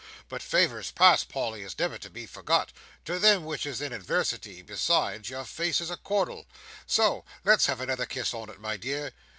But favours past, Polly, is never to be forgot. To them which is in adversity, besides, your face is a cord'l. So let's have another kiss on it, my dear.